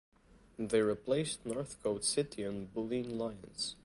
They replaced Northcote City and Bulleen Lions.